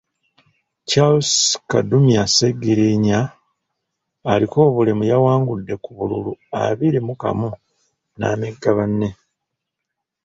Charles Kadumya Sseggiriinya aliko obulemu yawangudde ku bululu abiri mu kamu n’amegga banne.